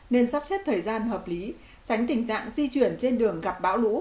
nên sắp xếp thời gian hợp lý tránh tình trạng di chuyển trên đường gặp bão lũ